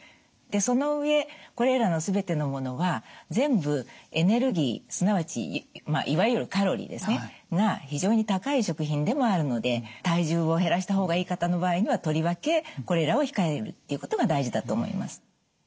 でその上これらの全てのものは全部エネルギーすなわちいわゆるカロリーですねが非常に高い食品でもあるので体重を減らした方がいい方の場合にはとりわけこれらを控えるっていうことが大事だと思います。